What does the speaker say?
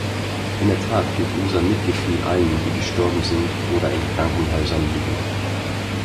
In der Tat gilt unser Mitgefühl allen, die gestorben sind oder in Krankenhäusern liegen.